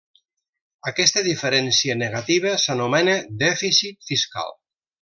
Aquesta diferència negativa s'anomena dèficit fiscal.